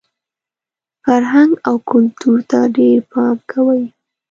فرهنګ او کلتور ته ډېر پام کوئ!